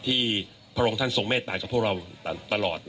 พระองค์ท่านทรงเมตตากับพวกเราตลอด